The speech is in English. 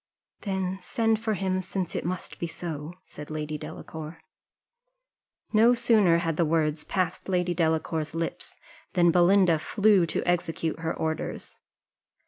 "Then send for him, since it must be so," said Lady Delacour. No sooner had the words passed Lady Delacour's lips than Belinda flew to execute her orders.